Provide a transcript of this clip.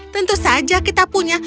tentu saja kita punya